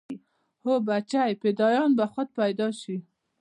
هو بچى فدايان به خود پيدا شي.